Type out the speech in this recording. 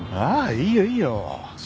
いいよいいよ。